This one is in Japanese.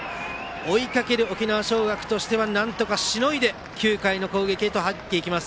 追いかける沖縄尚学としてはなんとかしのいで９回の攻撃へと入っていきます。